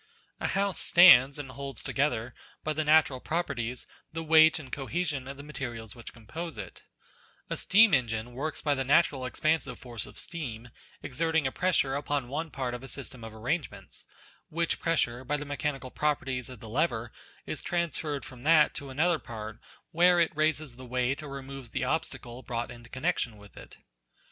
A house stands and holds together by the natural pro 8 NATURE perties, the weight and cohesion of the materials which compose it : a steam engine works by the natural expansive force of steam, exerting a pressure upon one part of a system of arrangements, which pressure, by the mechanical properties of the lever, is transferred from that to another part where it raises the weight or removes the obstacle brought into connexion with it.